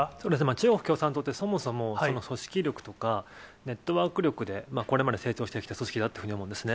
中国共産党ってそもそも組織力とかネットワーク力で、これまで成長してきた組織だというふうに思うんですね。